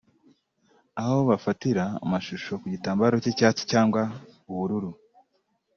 aho bafatira amashusho ku gitambaro cy’icyatsi cyangwa ubururu